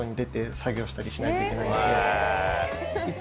したりしないといけないので。